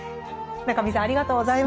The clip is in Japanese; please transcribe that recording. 中見さんありがとうございました。